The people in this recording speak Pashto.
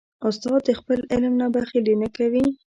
استاد د خپل علم نه بخیلي نه کوي.